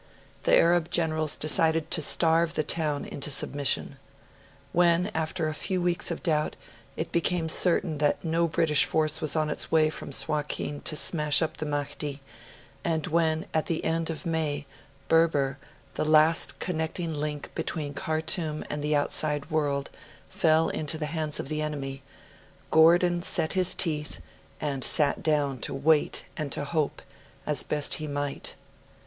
The Arab generals decided to starve the town into submission. When, after a few weeks of doubt, it became certain that no British force was on its way from Suakin to smash up the Mahdi, and when, at the end of May, Berber, the last connecting link between Khartoum and the outside world, fell into the hands of the enemy, Gordon set his teeth, and sat down to wait and to hope, as best he might.